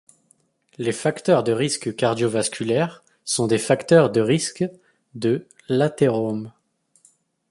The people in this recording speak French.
Les facteurs de risque cardiovasculaire sont des facteurs de risque de l'athérome.